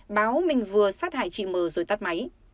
báo mình vừa sát hại chị m rồi tắt máy